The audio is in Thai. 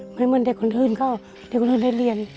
เหมือนเด็กคนอื่นก็เด็กคนอื่นได้เรียน